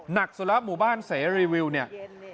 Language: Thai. หนักสุรรับหมู่บ้านเสรีวิวเนี่ย